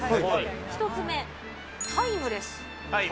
１つ目、タイムレス。